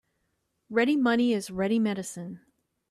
Ready money is ready medicine.